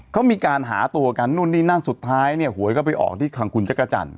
เขามีการหาตัวกันนู่นนี่นั่นสุดท้ายเนี่ยหวยก็ไปออกที่ทางคุณจักรจันท